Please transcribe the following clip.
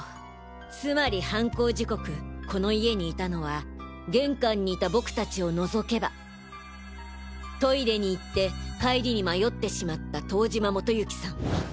つまり犯行時刻この家にいたのは玄関にいた僕たちを除けばトイレに行って帰りに迷ってしまった遠島基行さん